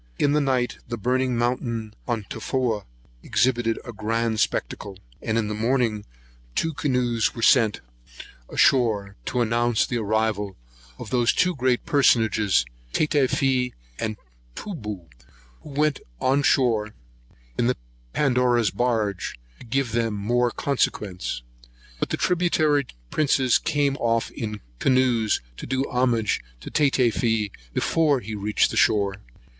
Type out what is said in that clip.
In the night, the burning mountain on Tofoa exhibited a very grand spectacle; and in the morning two canoes were sent on shore, to announce the arrival of those two great personages, Tatafee and Toobou, who went on shore in the Pandora's barge, to give them more consequence; but the tributary princes came off in canoes, to do homage to Tatafee before he reached the shore.